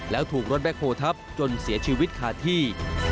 แล้วถูกรถแบคโฮลทับจนเสียชีวิตขาดที่